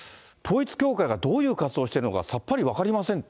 統一教会がどういう活動しているか、さっぱり分かりません。